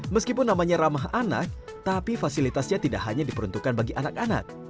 meskipun namanya ramah anak tapi fasilitasnya tidak hanya diperuntukkan bagi anak anak